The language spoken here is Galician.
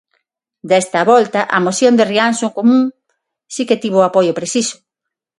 Desta volta, a moción de Rianxo en Común si que tivo o apoio preciso.